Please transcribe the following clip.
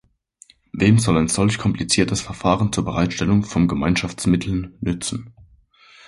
Wem soll ein solch kompliziertes Verfahren zur Bereitstellung vom Gemeinschaftsmitteln nützen?